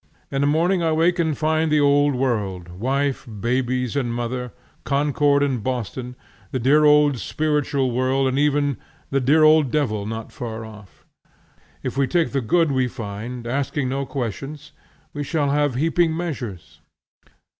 In the morning I awake and find the old world, wife, babes, and mother, Concord and Boston, the dear old spiritual world and even the dear old devil not far off. If we will take the good we find, asking no questions, we shall have heaping measures.